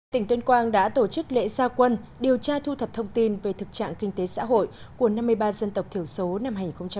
tỉnh tuyên quang đã tổ chức lễ gia quân điều tra thu thập thông tin về thực trạng kinh tế xã hội của năm mươi ba dân tộc thiểu số năm hai nghìn một mươi chín